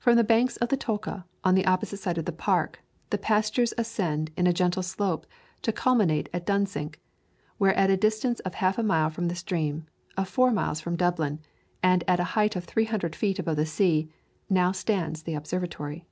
From the banks of the Tolka, on the opposite side of the park, the pastures ascend in a gentle slope to culminate at Dunsink, where at a distance of half a mile from the stream, of four miles from Dublin, and at a height of 300 feet above the sea, now stands the Observatory.